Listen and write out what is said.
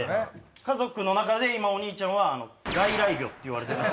家族の中で今お兄ちゃんは。って言われてます。